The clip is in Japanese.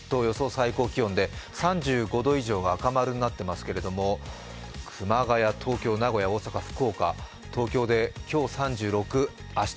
最高気温で３５度以上が赤丸になっていますけれども、熊谷、名古屋、大阪、福岡、東京で今日３６，明日